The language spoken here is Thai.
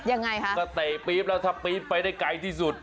ยังไงคะก็เตะปี๊บแล้วถ้าปี๊บไปได้ไกลที่สุด